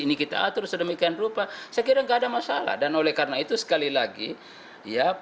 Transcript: ini kita atur sedemikian rupa saya kira enggak ada masalah dan oleh karena itu sekali lagi ya